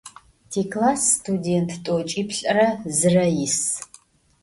Tiklass studênt t'oç'iplh'ıre zıre yis.